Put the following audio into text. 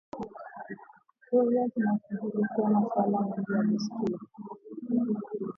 Sheria zinashughulikia masuala mengi ya desturi